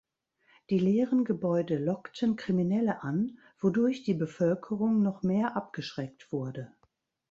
Die leeren Gebäude lockten Kriminelle an, wodurch die Bevölkerung noch mehr abgeschreckt wurde.